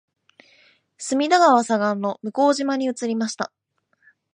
隅田川左岸の向島に移りました